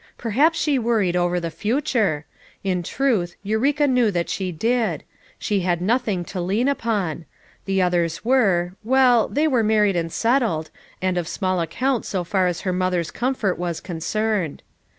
Perhaps she worried over the future ; in truth Eureka knew that she did; she had nothing to lean upon; the others were — well they were married and settled, and of small account so far as her mother's com fort was concerned.